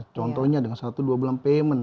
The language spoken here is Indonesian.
contohnya dengan satu dua bulan payment